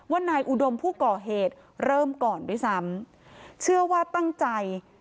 นายอุดมผู้ก่อเหตุเริ่มก่อนด้วยซ้ำเชื่อว่าตั้งใจ